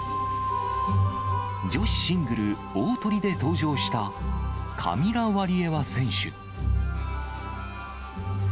女子シングル、大トリで登場したカミラ・ワリエワ選手。